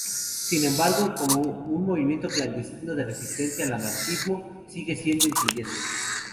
Sin embargo, como un movimiento clandestino de resistencia el anarquismo sigue siendo influyente.